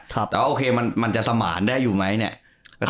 แต่ว่าโอเคมันจะสมานได้อยู่ไหมเนี่ย